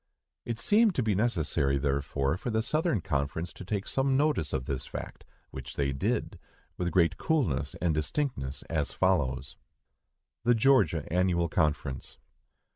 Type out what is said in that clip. It seemed to be necessary, therefore, for the Southern Conference to take some notice of this fact, which they did, with great coolness and distinctness, us follows: THE GEORGIA ANNUAL CONFERENCE.